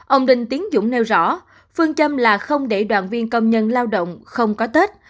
ông đinh tiến dũng nêu rõ phương châm là không để đoàn viên công nhân lao động không có tết